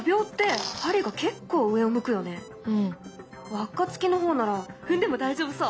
輪っか付きの方なら踏んでも大丈夫そう。